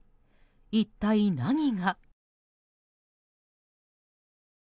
一体何が。